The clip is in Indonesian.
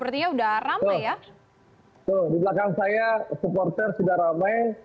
di belakang saya supporter sudah ramai